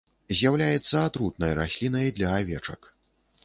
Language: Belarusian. З'яўляецца атрутнай раслінай для авечак.